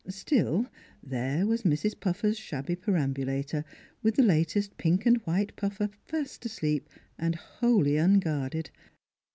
Still, there was Mrs. Puffer's shabby perambulator with the latest pink and white Puffer fast asleep and wholly un guarded.